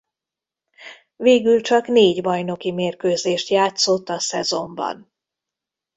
Végül csak négy bajnoki mérkőzést játszott a szezonban.